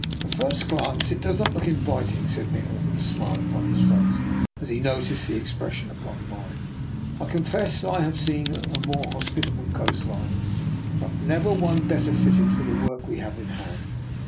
" At first glance it does not look inviting,* said Nikola, with a smile upon his face, :a,s he noticed the expression upon mine. " I con^ fess I have seen a more hospitable coast line, but never one better fitted for the work we have in hand."